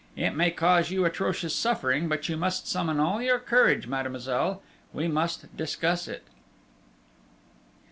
It may cause you atrocious suffering, but you must summon all your courage, mademoiselle. We must discuss it."